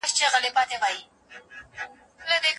که قوانين پلي نه سي، فساد اقتصاد خرابوي.